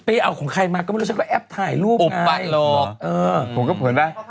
ไปเอาของใครมาก็ไม่รู้ชักก็แอบถ่ายรูปไง